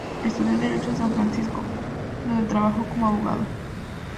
Estudió derecho en San Francisco, donde trabajó como abogado.